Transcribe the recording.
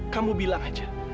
kamu bilang aja